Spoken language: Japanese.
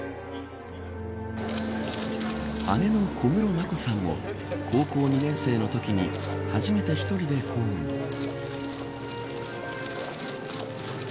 姉の小室眞子さんも高校２年生のときに初めて１人で公務に。